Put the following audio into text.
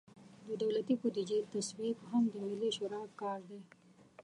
د دولتي بودیجې تصویب هم د ملي شورا کار دی.